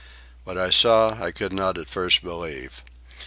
What I saw I could not at first believe.